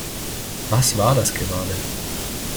Was war das gerade?